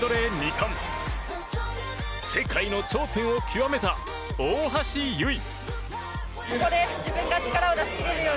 冠世界の頂点を極めた大橋悠依。